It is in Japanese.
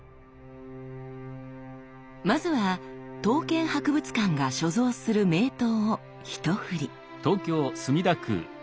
まずは刀剣博物館が所蔵する名刀をひとふり。